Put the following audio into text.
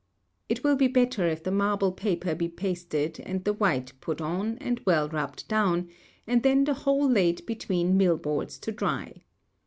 It will be better if the marble paper be pasted and the white put on and well rubbed down, and then the whole laid between mill boards to dry.